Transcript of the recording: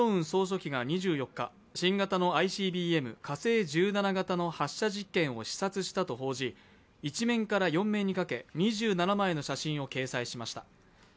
総書記が２４日、新型のＩＣＢＭ火星１７型の発射実験を視察したと報じ、１面から４面にかけ２７枚の写真を掲載しました。